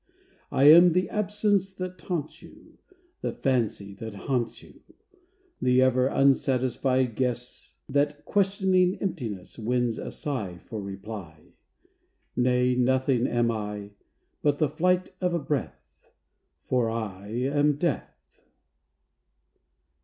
I am the absence that taunts you, The fancy that haunts you; The ever unsatisfied guess That, questioning emptiness, Wins a sigh for reply. Nay; nothing am I, But the flight of a breath For I am Death!